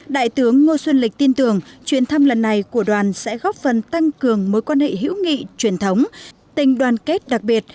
đại tướng ngô xuân lịch tin tưởng chuyến thăm lần này của đoàn sẽ góp phần tăng cường mối quan hệ hữu nghị truyền thống tình đoàn kết đặc biệt